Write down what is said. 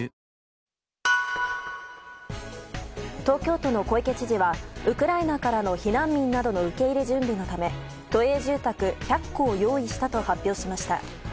東京都の小池知事はウクライナからの避難民などの受け入れ準備のため都営住宅１００戸を用意したと発表しました。